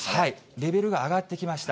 レベルが上がってきました。